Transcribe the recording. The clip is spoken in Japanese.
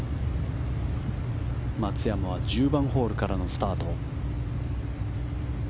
松山は１０番ホールからのスタート。